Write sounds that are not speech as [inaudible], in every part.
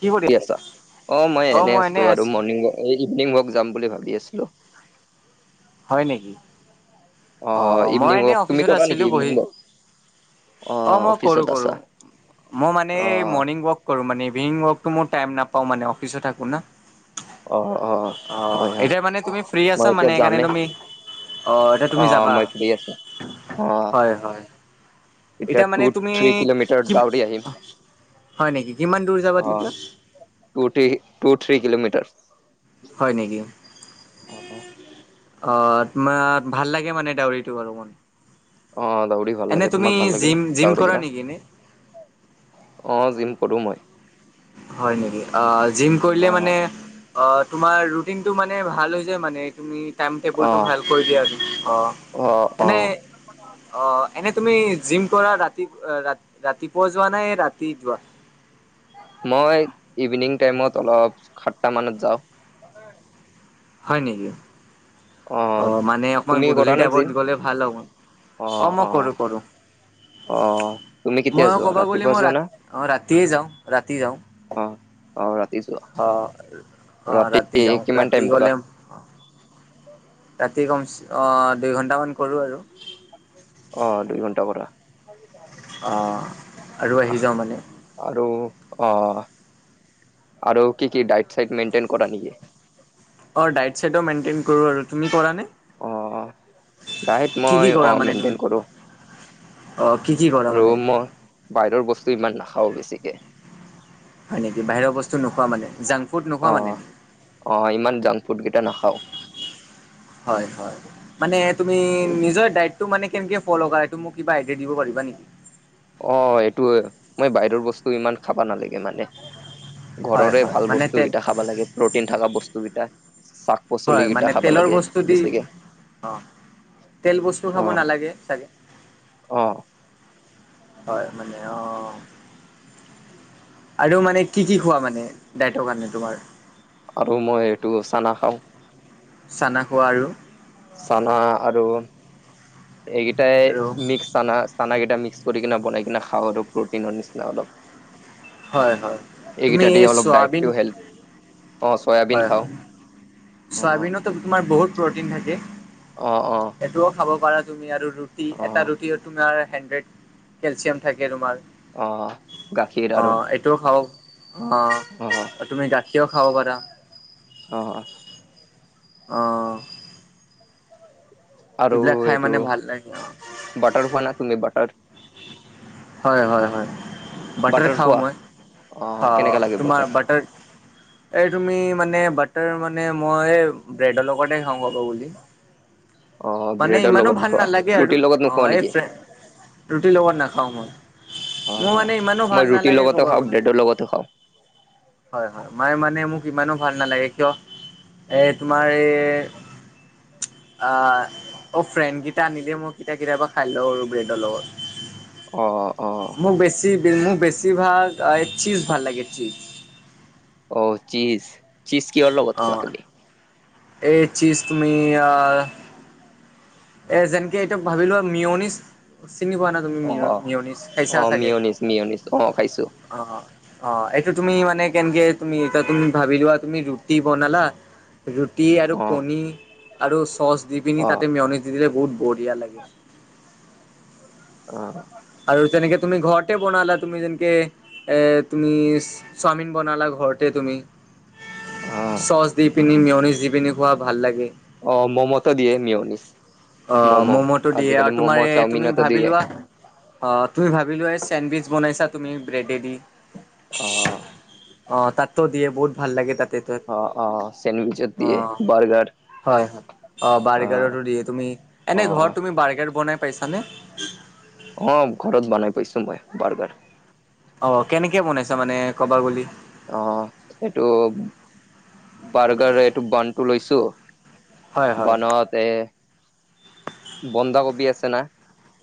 কি কৰি আছা অ মই এনেই আছো আৰু মৰ্ণিং ৱক এই ইভিনিং ৱাক যাম বুলি ভাবি আছিলো হয় নেকি অ অঁ মই ইভিনিং এনেই ৱক তুমি অফিচত কৰা নেকি আছিলোঁ ইভিনিং বহি ৱক? অ মই কৰো অফিচত কৰো আছা মই মানে অ এই মৰ্ণিং ৱাক কৰো মানে ইভিনিং ওৱাক টো তাইম নাপাওঁ মানে অফিচত থাকো না অ অ অ' হয় হয় এতিয়া মানে তুমি ফ্ৰী আছা মই এতিয়া মানে সেইকাৰণে যামে তুমি অ'এতিয়া অ' মই ফ্ৰী আছো অ'। হয় হয় এতিয়া টু মানে তুমি থ্ৰী কিলোমিটাৰ কি দাউৰি আহিম হয় নেকি কিমান দূৰ যাবা তেতিয়া টো থ্ৰী টো থ্ৰী কিলোমিটাৰ হয় নেকি অ অ তোমাৰ ভাল লাগে মানে ডাউৰিটো গৰমত অ দাউৰি ভাল এনে লাগে তুমি তোমাক ভাল লাগে না জিম জিম দাউৰি কৰা কিনা নেকি ন অ যিম কৰো মই হয় নেকি অ জিম অ কৰিলে মানে অ তোমাৰ ৰুটিনটো মানে ভাল হৈছে মানে তুমি টাইম অ টেবুলটো ভাল কৰি দিয়া অ অ অ এনে অ এনে তুমি জিম কৰা ৰাতি ৰাতি ৰাতিপুৱা যোৱা নে ৰাতি যোৱা মই ইভিনিং টাইমত অলপ সাতটা মানত যাওঁ হয় নেকি অ অঁ মানে অকণমান তুমি গধূলি কৰা নে টাইমত জিম? দিবলৈ ভাল হ'ব অ অঁ মই অ কৰোঁ কৰোঁ অ তুমি কেতিয়া মই যোৱা ক'বা গ'লে ৰাতিপুৱা মই যোৱা ৰা না? অ ৰাতিয়ে যাওঁ ৰাতি যাওঁ অ অ ৰাতি যোৱা অ অ ৰাতি যাওঁ কিমান ৰাতি টাইম গ'লে কৰা ৰাতি কমচে অ দুই ঘন্টামান কৰো আৰু অ দুই ঘণ্টাৰ কৰা অ আৰু আহ আহি যাওঁ মানে আৰু অ আৰু কি কি ডাইট চাই মেইনটেইন কৰা নেকি অ ডায়েট চাইট ও মেইনটেইন কৰো আৰু তুমি কৰা নে অ ডাইট কি কি মই কৰা অ মানে তুমি মেইনটেইন কৰো অ কিজিপ আৰু মই বাহিৰৰ বস্তু ইমান নাখাও বেছিকে হয় নেকি বাহিৰৰ বস্তু নোখোৱা মানে জং অ অ ইমান জাংক ফুড কেইটা নাখাও। হয় হয়, মানে তুমি নিজৰ দাইতটটো মানে কেনেকে ফল' কৰা এটো মোক কিবা আইডিয়া দিব পাৰিবা নেকি? অ এইটোৱে, মই বাহিৰৰ বস্তু ইমান খাবা নালাগে মানে। হয় ঘৰৰে হয় ভাল মানে তেল বস্তুকেইটা খাবা লাগে প্ৰটিন থকা বস্তুকেইটা, চাক হয় মানে তেলৰ বস্তু দি, অ তেল বস্তু অ খাব নালাগে, চাগে অ হয় মানে অঁ আৰু মানে কি কি খোৱা মানে দাইতৰ কাৰণে তোমাৰ, আৰু মই এইটো চানা খাওঁ। চানা খোৱা আৰু, চানা আৰু এইকেইটাই আৰু মিক্স চানা চানা কেইটা মিক্স কৰি কিনে বনাই কিনে খাওঁ আৰু প্ৰ'টিনৰ নিচিনা অলপ। হয় হয় তুমি এইকেইটা দি এই অলপ দাইত চয়াবিন টো হেলপ, অ চয়াবিন হয় হয় খাও। চয়াবিনতো তোমাৰ বহুত প্ৰটিন থাকে। অ অ এইটোও খাব পাৰা তুমি আৰু ৰুটি অ এটা ৰুটি তুমাৰ হেড এক কেলচিয়াম থাকে তোমাৰ। অ গাখীৰ আৰু সেইটো ও খাও অ, অ অ তুমি গাখীও খাব পাৰা। অ অ অঁ আৰু এইবিলাক খাই এইটো মানে ভাল লাগে অ বাটাৰ খোৱা না তুমি বাটাৰ? হয় হয় হয়, বাটাৰ খাওঁ মই অ তোমাৰ বাটাৰ এই তুমি মানে বাটাৰ মানে মই ব্ৰেডৰ লগতে খাওঁ কব গলি। অ মানে ব্ৰেডৰ ইমানো লগত ভাল খোৱা নালাগে আৰু, ৰুটিৰ লগত অ নোখোৱা এই নেকি ৰুটিৰ লগত নাখাও মই। অ মোৰ মানে ইমানো মই ভাল ৰুটিৰ নালাগে লগতো ক'ব খাওঁ গলি। ব্ৰেডৰ লগতো খাওঁ হয় হয় মই মানে মোক ইমানো ভাল নালাগে কিয় এই তোমাৰ এই আ অ ফ্ৰেণ্ড কেইটা আনি দিয়ে মোক কেতিয়াবা কেতিয়াবা খাই দিও আৰু ব্ৰেডৰ লগত। অ অ অ মোক বেছি মোক বেছিভাগ অ সেই চিজ ভাল লাগে চিজ। অ চিজ চিজ কিহৰ অ। লগত খোৱা তুমি? এই চিজ তুমি এয়া এ যেনকে এইটো ভাবি লোৱা মিয়নিছ চিনি পোৱা না? তুমি অ মিউ অ মিউনিছ খাইছা অ চাগে? মিয়নিজ মিয়নিজ অ খাইছো অ অ অ এইটো তুমি মানে কেনকে তুমি এ তুমি ভাবি লোৱা তুমি ৰুটি বনালা। ৰুটি আৰু অ কণী আৰু চচ দি পিনি অ তাতে মেয়নিজ দি দিলে বহুত বঢ়িয়া লাগে। অহ আৰু তেনেকে তুমি ঘৰতে বনালা তুমি যেনকে, এ তুমি চাওমিন বনালা ঘৰতে তুমি। অ চচ দি পিনি মিয়নিছ দি পিনি খোৱা ভাল লাগে। অ মোমতো দিয়ে মিউনিছ। অ ম'ম'টো দিয়ে এ আৰু তোমাৰ এই তুমি চাওমিনতো ভাবি দিয়ে লোৱা। অ তুমি ভাবি লোৱা এই চেণ্ডফিচ বনাইছা তুমি ব্ৰেডেদি। অ। অ তাতো দিয়ে বহুত ভাল লাগে তাতে। অ অ চেণ্ডউইচত দিয়ে অঁ বাৰ্গাৰ হয় হয় অঁ অ বাৰ্গাৰতো দিয়ে তুমি। অ এনেই ঘৰত তুমি বাৰ্গাৰ বনাই পাইছানে। অ ঘৰত বনাই পাইছো মই বাৰগাৰ। অ কেনেকে বনাইছা মানে কবা বুলি। অ এইটো বাৰ্গাৰ এইটো বানটো লৈছোঁ। হয় হয় বানত এ বন্ধাকবি আছে না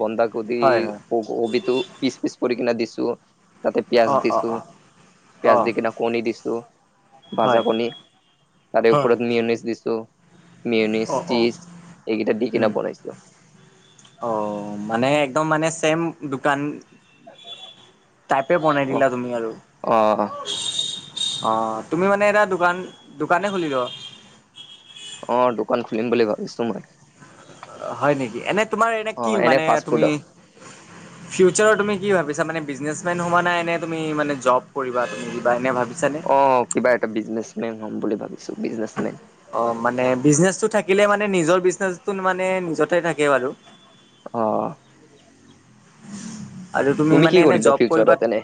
বন্ধাকবি। কদি হয় হয় কবিটো পিচ পিচ কৰি কিনে দিছো তাতে পিয়াঁজ অ অ দিছো। অ অ পিয়াঁজ দি কিনে কণী দিছোঁ। হয় ভাজা কণী তাৰে ওপৰত মিয়নিচ দিছোঁ। মিয়নিচ অ অ চিজ এইকেইটা দি উম, কিনে বনাইছো। অ মানে একদম মানে চেম দোকান। তাইপে বনাই অ দিলা তুমি আৰু। অ অ তুমি মানে এটা দোকান দোকানে খুলি ল। অ', দোকান খুলিম বুলি ভাবিছোঁ মই। হয় নেকি, এনে তোমাৰ এনে অ কি মানে ফাষ্ট তুমি। ফুডৰ ফিউচাৰ তুমি কি ভাবিছা মানে বিজনেচমেন হোৱা নাই নে তুমি মানে জব কৰিবা তুমি দিবা এনে ভাবিছা নে? অ', অ', কিবা এটা বিজনেচমেন হম বুলি ভাবিছোঁ বিজনেচমেন। অ', মানে বিজনেচটো থাকিলে মানে নিজৰ বিজনেচটোন মানে নিজতে থাকে বাৰু। অ'। আৰু তুমি কি মানে এনেই জব কৰিবা। ফিউচাৰত এনে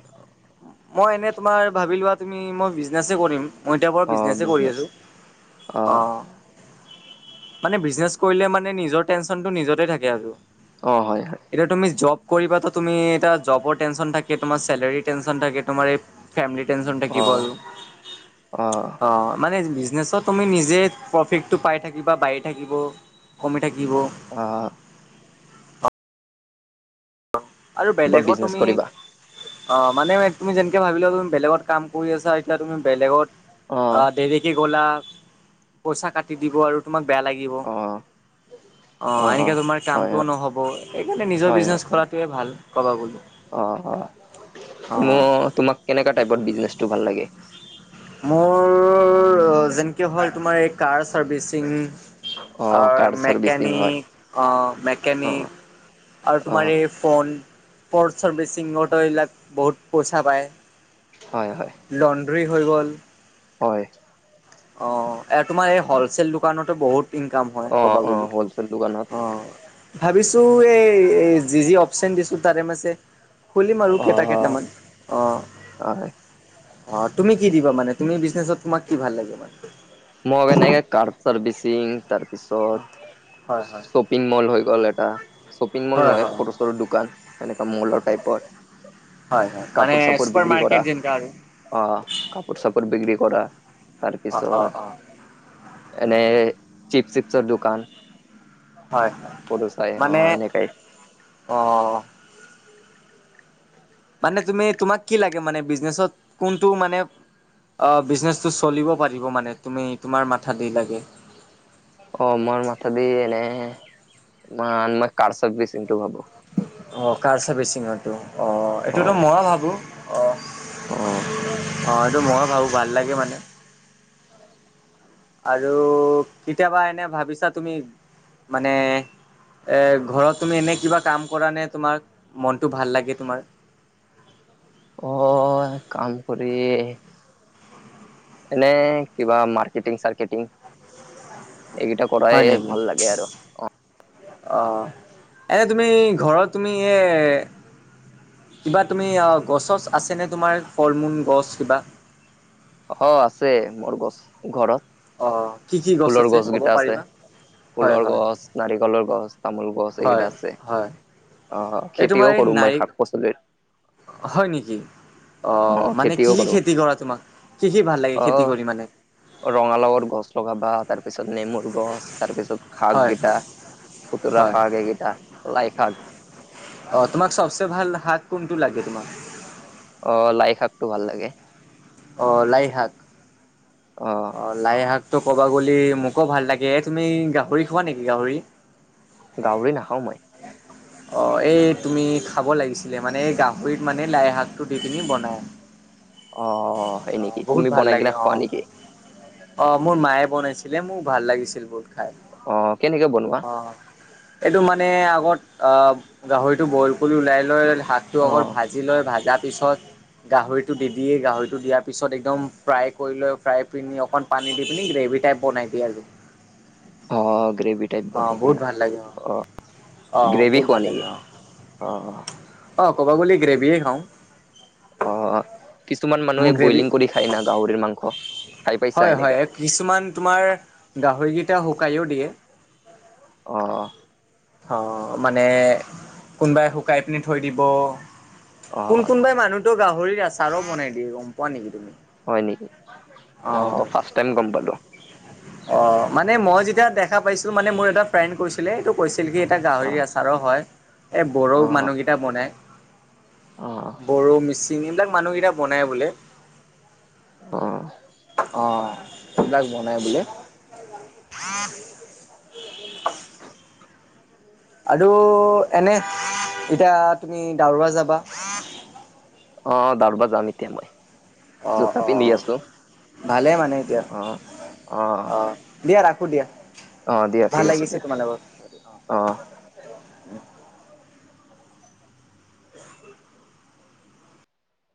মই এনে তোমাৰ ভাবি লোৱা তুমি মই বিজনেছে কৰিম। মই এতিয়া বাৰো অ বিজনেছেই কৰি বিজনেচ আছো [inaudible] অ'। মানে বিজনেচ কৰিলে মানে নিজৰ টেনচনটো নিজতে থাকে আৰু। অ', হয়-হয়। এতিয়া তুমি জব কৰিবাতো তুমি এ, এটিয়া জবৰ টেনচন থাকে তোমাৰ, চেলাৰীৰ টেনচন থাকে তোমাৰ এই। ফেমেলিৰ টেনচন অ থাকিব আৰু অ', মানে বিজনেচত। তুমি নিজে প্ৰফিটটো পাই থাকিবা বাঢ়ি থাকিব, কমি থাকিব। আ। আৰু ওপৰত বেলেগৰ বিজনেচ তুমি। কৰিবা অ', মানে তুমি যেনেকে ভাবি লোৱা চোন, বেলেগত কাম কৰি আছা এতিয়া তুমি বেলেগত আ। অ', দেৰিকে গ'লা, পইচা কাটি দিব আৰু তোমাক বেয়া লাগি। থাকিব অ', অ', এনেকে তোমাৰ হয়, কামটোও হয়। নহ'ব সেইকাৰণে নিজৰ হয়, বিজনেছ হয়, হয়। কৰাত। টোৱে ভাল ক'বা গ'লে। অ', অ'মো অ তোমাক কেনেকা টাইপৰ বিজনেচটো ভাল লাগে। মোৰ যেনেকে হ'ল তোমাৰ এই কাৰ চাৰ্ভিচিং। অ', আৰ কাৰ চাৰ্ভিচিং হয়, মেকেনিক, অ', অ', মেকেনিক আৰু তোমাৰ অ', এই। ফোন, পৰ্ট চাৰ্ভিচিঙতটো এইবিলাক বহুত পইচা পায়। হয় হয়। লণ্ড্ৰি হৈ গ'ল। হয়। অঁ' এ, তোমাৰ এই হলচেল দোকানতো বহুত- ইনকাম হয় ক'ব অ', অ', গলে। হ'লচেল দোকানত অঁ' ভাবিছো এই যি‌ যি অপচেন দিছো তাৰে মাজে- খুলিম আৰু কেইটা অ', কেইটামান, অঁ'। হয়, অঁ, তুমি কি দিবা মানে তুমি বিজনেছত তোমাক কি ভাল লাগে মানে? মোক এনেকে কাৰ চাৰ্ভিচিং, তাৰপিছত হয় হয় ছপ- পিং মল হৈ গ'ল এটা। শ্বপিং মল হয় নহয় হয় সৰু-চৰু দোকান এনেকা মলৰ টাইপৰ। হয়-হয়, মানে চুপাৰ মাৰ্কেট যেনেকা আৰু। অঁ, কাপোৰ-চাপোৰ বিক্ৰী কৰা, অ', অ', তাৰপিছত- অ', এনে চিপ-চিপচৰ দোকান। হয়, সৰু চাই অ মানে এনেকাই অঁ'। মানে তুমি তোমাক কি লাগে মানে? বিজনেচত কোনটো মানে- অঁ' বিজনেচটো চলিব পাৰিব মানে তুমি তোমাৰ মাথা দি লাগে। অঁ' মোৰ মাথা দি এনে, ম মই কাৰ ছাৰ্ভিচিঙটো ভাবো। অঁ' কাৰ চাৰ্ভিচিঙটো অঁ' এইটোতো মইয়ো ভাবো অঁ'। অঁ' অঁ' এইটো ময় ভাবো ভাল লাগে মানে। আৰু কেতিয়াবা এনে ভাবিছা তুমি, মানে- এ, ঘৰত তুমি এনে কিবা কাম কৰা নে তোমাৰ মনটো ভাল লাগে তোমাৰ। কয় কাম কৰি। এনে কিবা মাৰ্কেটিং-চাৰ্কেটিং এইগিটা হয় কৰাইয়ে ভাল লাগে আৰু। অঁ' এ তুমি ঘৰত তুমি এ- কিবা তুমি গছ ছছ আছেনে তোমাৰ ফল মূল গছ কিবা। অ' আছে মোৰ গছ ঘৰত। অ' কি কি গছ ফুলৰ আছে ক'ব গছকেইটা আছে পাৰিবা? হয়, ফুলৰ হয়, গছ, নাৰিকলৰ গছ, তামোল গছ, হয়, এইকেইটা আছে। হয়, অঁ' এই তোমাৰ খেতিও এই কৰোং মই নাৰি শাক পাচলিৰ। হয় নিকি, অ' মানে খেতিও কি কি কৰো খেতি কৰা তোমাক কি কি ভাল লাগে অ খেতি কৰি মানে। ৰঙালাওৰ গছ লগাবা, তাৰপিছত নেমুৰ গছ তাৰ পিছত- খাক হয়, গেইটা হয়, পুতলা হয়, শাক এইগেইটা লাই শাক। অ' তোমাক চবচে ভাল শাক কোনটো লাগে তোমাক? অ' লাই শাকটো ভাল লাগে। অ' লাইশাক। অঁ' অ লাই শাকতো কবা গ'লে মোকো ভাল লাগে এ তুমি গাহৰি খোৱা নেকি গাহৰি? গাৱৰি নাখাওঁ মই। অ' এই তুমি খাব লাগিছিলে মানে এই গাহৰিত মানে লাই শাকটো দি পিনি বনাই। অ হয় নেকি অঁ' বহুত তুমি ভাল বনাই লাগে কিনা খোৱা অঁ'। নেকি অ' মোৰ মায়ে বনাইছিলে মোক ভাল লাগিছিল বহুত খাই। অঁ' কেনেকে বনোৱা। অঁ'এইটো মানে আগত অ গাহৰিটো বয়েল কৰি ওলাই- লৈ শাকটো অ অকল ভাজি লৈ ভাজা পিছত- গাহৰিটো দি দিয়ে গাহৰিটো দিয়াৰ পিছত একদম ফ্ৰাই কৰি লৈ ফ্ৰাই পিনি অকণ- পানী দি পিনি গ্ৰেভি টাইপ বনাই দিয়ে আৰু। অঁ' গ্ৰেভিত- টপ অ' বনিই বহুত কিনা ভাল লাগে অ' অ' গ্ৰেভি বহুত খোৱা ভাল নেকি? লাগে অ' অ' অ'। অ' ক'ব গ'লে গ্ৰেভিয়ে খাওঁ। অ' কিছুমান মোৰ মানুহে গ্ৰেভি ব্ৰইলিং কৰি খায় না গাহৰিৰ মাংস। খাই পাইছা হয় হয় এনেকা কিছুমান তোমাৰ গাহৰিকেইটা শুকাইও দিয়ে। অ' অ'। অ' মানে কোনোবাই শুকাই পিনি থৈ দিব অ কোন কোনবাই মানুহতো গাহৰিৰ আচাৰো বনাই দিয়ে, গম পোৱা নেকি তুমি? হয় নেকি, অ' অ' ফাৰ্ষ টাইম গম পালো। অ' মানে মই যেতিয়া দেখা পাইছো মানে মোৰ এটা ফ্ৰেণ্ড কৈছিলে এইটো কৈছিল কি, এটা অ গাহৰি আছে আৰু‌ হয়। এই বড়ো অ মানুহ কেইটা বনাই। অ বড়ো, মিচি চিমি এবিলাক মানুহকেইটা বনাই বোলে। ওম। অ', সেবিলাক বনাই বোলে। [unintelligible] আৰু এনে এতিয়া তুমি দাৱৰা যাবা। অ' দাৰবা যাম এতিয়া মই অ' জোতা পিন্ধি অ' আছো। ভালে মানে এতিয়া অ অ' দিয়া ৰাখো দিয়া। অ দিয়া ভাল ঠিক আছে লাগিছে দিয়া তোমাল লগত? অ'।